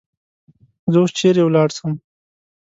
زه اوس چیری ولاړسم؟